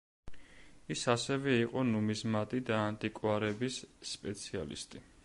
ის ასევე იყო ნუმიზმატი და ანტიკვარების სპეციალისტი.